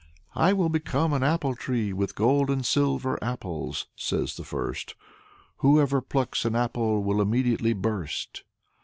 "I will become an apple tree with golden and silver apples," says the first; "whoever plucks an apple will immediately burst."